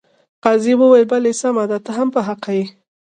قاضي وویل بلې سمه ده ته هم په حقه یې.